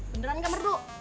beneran nggak merdu